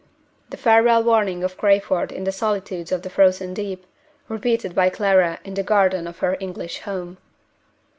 (The farewell warning of Crayford in the solitudes of the Frozen Deep, repeated by Clara in the garden of her English home!)